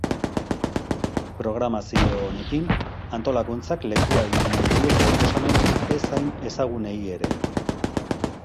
Programazio honekin, antolakuntzak lekua egin nahi dio proposamen ez hain ezagunei ere.